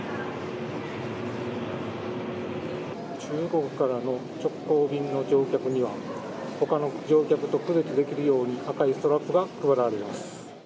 中国からの直行便の乗客には他の乗客と区別できるように赤いストラップが配られます。